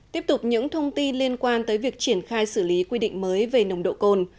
tiếp tục những thông tin liên quan tới việc triển khai xử lý quy định mới về nồng độ cồn